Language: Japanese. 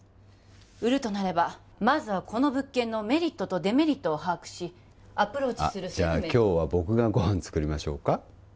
売るとなればまずはこの物件のメリットとデメリットを把握しアプローチするあっじゃ今日は僕がご飯作りましょうか？